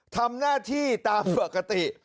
ทำหน้าที่ตามปกติ